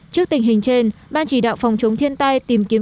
trước tình hình trên ban chỉ đạo phòng chống thiên tai tìm kiếm